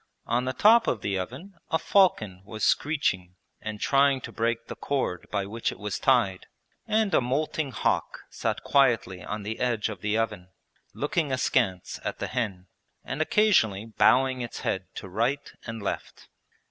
On the top of the oven a falcon was screeching and trying to break the cord by which it was tied, and a moulting hawk sat quietly on the edge of the oven, looking askance at the hen and occasionally bowing its head to right and left.